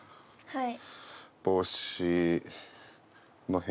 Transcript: はい。